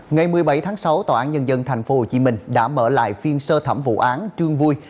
ngày một mươi bảy tháng sáu tòa án nhân dân tp hcm đã mở lại phiên sơ thẩm vụ án trương vui